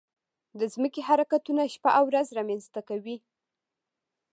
د ځمکې حرکتونه شپه او ورځ رامنځته کوي.